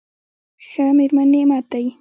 ښه مېرمن نعمت دی.